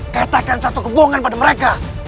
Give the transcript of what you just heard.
katakan satu kebohongan pada mereka